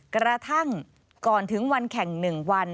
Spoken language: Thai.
กระทั่งก่อนถึงวันแข่ง๑วัน